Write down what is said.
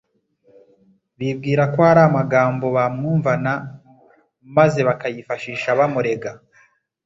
bibwira ko hari amagambo bamwumvana, maze bakayifashisha bamurega.